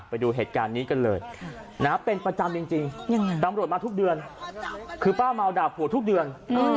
ไปดูเหตุการณ์นี้กันเลยเป็นประจำจริงตำรวจมาทุกเดือนคือป้าเมาด่าผัวทุกเดือน